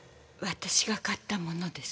私が買ったものです。